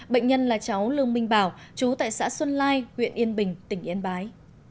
bệnh nhân là cháu lương minh bảo chú tại xã xuân lai huyện yên bình tỉnh yên bái